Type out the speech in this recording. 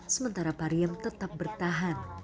sementara pariem tetap bertahan